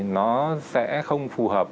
nó sẽ không phù hợp